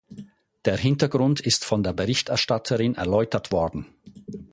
Der Hintergrund ist von der Berichterstatterin erläutert worden.